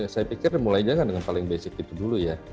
saya pikir mulai dengan paling basic itu dulu ya